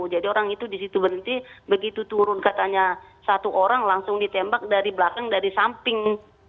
orang itu disitu berhenti begitu turun katanya satu orang langsung ditembak dari belakang dari samping